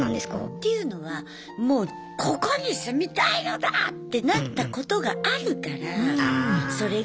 っていうのはもうここに住みたいのだ！ってなったことがあるからそれが分かる。